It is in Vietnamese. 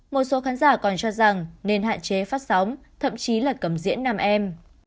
một số khán giả còn cho rằng nên hạn chế phát sóng thậm chí là cầm diễn nam em